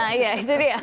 nah iya itu dia